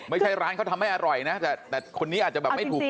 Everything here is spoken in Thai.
ไม่ใช่ร้านเขาทำให้อร่อยนะแต่คนนี้อาจจะแบบไม่ถูก